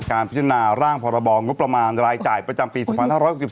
การพิจารณาร่างพลบองของประมาณรายจ่ายประจำปีศาสตร์๑๕๖๔